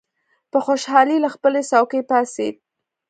په خوشالۍ له خپلې څوکۍ پاڅېد.